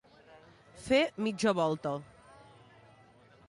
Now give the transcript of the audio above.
Fer mitja volta.